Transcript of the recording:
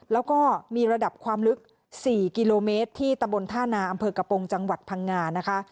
แล้วก็มีระดับความลึก๔กิโลเมตรที่ตะบนท่านาอำเภอกระโปรงจังหวัดพังงานะคะ